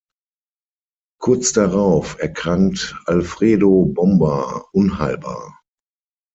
Kurz darauf erkrankt Alfredo Bomba unheilbar.